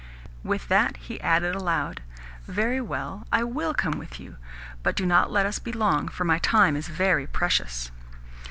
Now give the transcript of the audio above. With that he added aloud: "Very well, I WILL come with you, but do not let us be long, for my time is very precious."